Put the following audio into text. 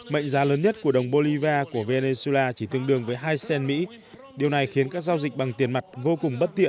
mệnh giá lớn nhất của đồng bolivar của venezuela chỉ tương đương với hai cent mỹ